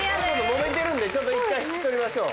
もめてるんで一回引き取りましょう。